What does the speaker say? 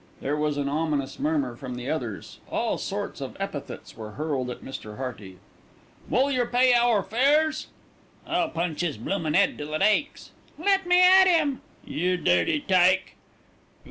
There was an ominous murmur from the others. All sorts of epithets were hurled at Mr. Hearty. "Will yer pay our fares?" "I'll punch 'is bloomin' 'ead till it aches!" "Let me get at 'im!" "Yer dirty tyke!"